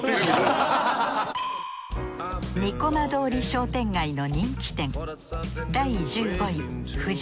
にこま通り商店街の人気店